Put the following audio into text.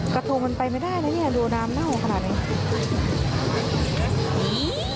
กระทงมันไปไม่ได้นะเนี่ยดูน้ำเน่าขนาดนี้